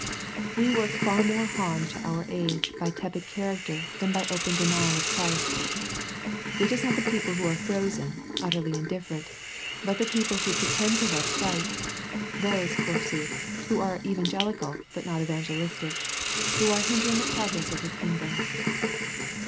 We work far more harm to our age by tepid character than by open denial of Christ. It is not the people who are frozen, utterly indifferent, but the people who pretend to love Christ, those, forsooth, who are evan gelical, but not evangelistic, who are hindering the progress of His Kingdom.